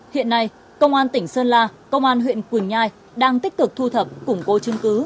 hiện nay công an tỉnh sơn la công an huyện quỳnh nhai đang tích cực thu thập củng cố chứng cứ